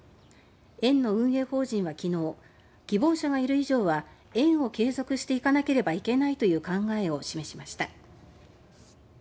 園の運営法人は昨日希望者がいる以上は園を継続していかなければいけないという考えを示しました。